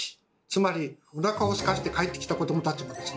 つまりおなかをすかせて帰ってきた子どもたちもですね